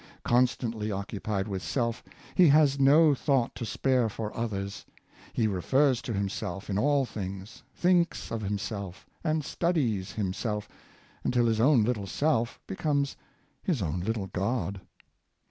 Constantly occu pied with self, he has no thought to spare for others. He refers to himself in all things, thinks of himself, and studies himself, until his own little self becomes his own little god.